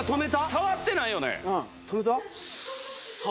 触ってないよね？